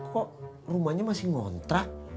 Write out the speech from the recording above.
kok rumahnya masih ngontrak